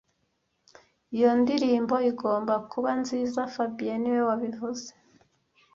Iyo ndirimbo igomba kuba nziza fabien niwe wabivuze